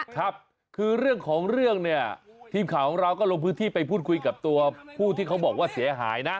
ครับคือเรื่องของเรื่องเนี่ยทีมข่าวของเราก็ลงพื้นที่ไปพูดคุยกับตัวผู้ที่เขาบอกว่าเสียหายนะ